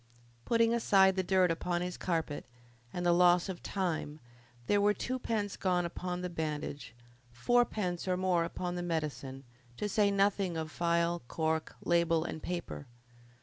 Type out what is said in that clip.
Putting aside the dirt upon his carpet and the loss of time, there were twopence gone upon the bandage, fourpence or more upon the medicine, to say nothing of phial, cork, label, and paper.